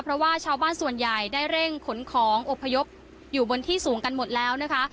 เพราะว่าชาวบ้านส่วนใหญ่ได้เร่งขนของอบพยพอยู่บนที่สูงกันหมดแล้วนะคะ